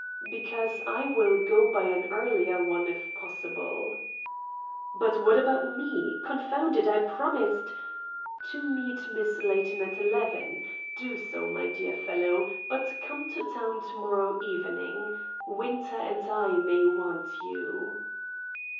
"Because I will go by an earlier one, if possible." "But what about me! Confound it, I promised " "To meet Miss Layton at eleven. Do so, my dear fellow. But come to town to morrow evening. Winter and I may want you."